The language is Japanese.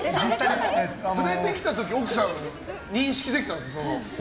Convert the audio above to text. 連れてきた時奥さん、認識できたんですか？